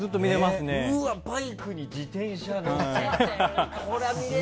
うわ、バイクに自転車載せてる！